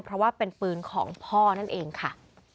เพราะว่าเป็นปืนของพ่อนั่นเองค่ะ